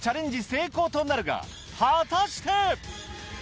成功となるが果たして？